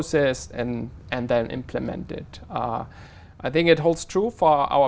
cảm ơn cảm ơn rất nhiều